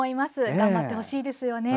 頑張ってほしいですよね。